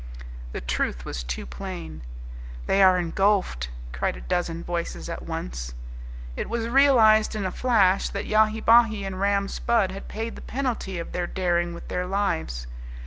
The truth was too plain. "They are engulfed!" cried a dozen voices at once. It was realized in a flash that Yahi Bahi and Ram Spudd had paid the penalty of their daring with their lives.